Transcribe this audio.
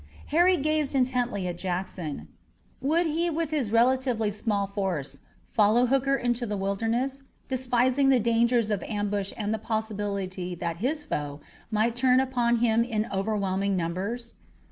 Harry gazed intently at Jackson. Would he with his relatively small force follow Hooker into the Wilderness, despising the dangers of ambush and the possibility that his foe might turn upon him in overwhelming numbers?